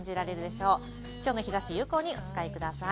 きょうの日差しを有効にお使いください。